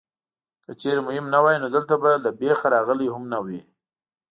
که چېرې مهم نه وای نو دلته به له بېخه راغلی هم نه وې.